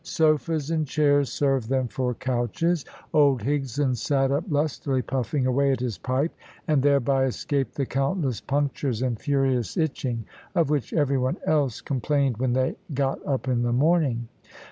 Sofas and chairs served them for couches. Old Higson sat up lustily puffing away at his pipe, and thereby escaped the countless punctures and furious itching, of which every one else complained when they got up in the morning.